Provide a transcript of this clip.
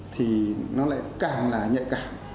thì nó lại càng là nhạy càng